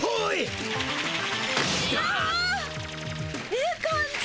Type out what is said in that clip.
ええ感じ！